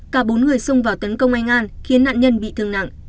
cả bốn người xông vào tấn công anh an khiến nạn nhân bị thương nặng